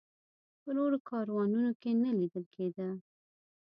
په نورو کاروانونو کې نه لیدل کېده.